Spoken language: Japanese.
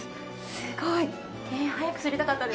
すごい！